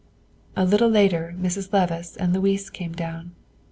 A little later Mrs. Levice and Louis came down.